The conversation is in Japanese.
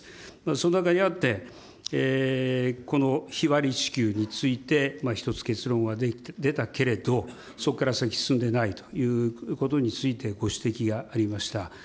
その中にあって、この日割り支給について、一つ結論は出たけれど、そこから先、進んでないということについて、ご指摘がありました。